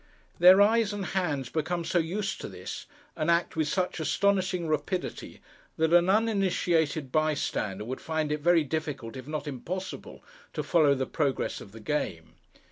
Their eyes and hands become so used to this, and act with such astonishing rapidity, that an uninitiated bystander would find it very difficult, if not impossible, to follow the progress of the game.